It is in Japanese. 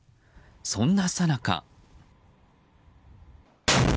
そんなさなか。